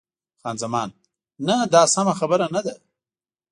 خان زمان: نه، دا سمه خبره نه ده.